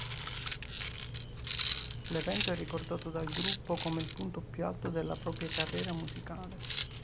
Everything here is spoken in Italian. L'evento è ricordato dal gruppo come il punto più alto della propria carriera musicale.